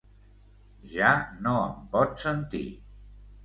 Ja no em pot sentir.